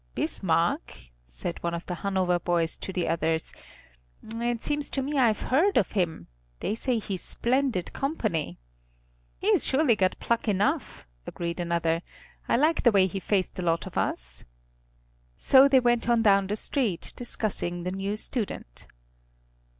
"Bismarck?" said one of the Hanover boys to the others. "It seems to me I've heard of him. They say he's splendid company." "He's surely got pluck enough," agreed another. "I like the way he faced the lot of us." So they went on down the street, discussing the new student.